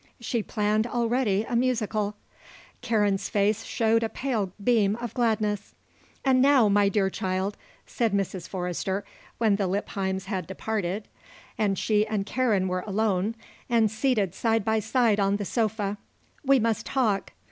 She planned already a musical. Karen's face showed a pale beam of gladness. "And now, my dear child," said Mrs. Forrester, when the Lippheims had departed and she and Karen were alone and seated side by side on the sofa, "we must talk.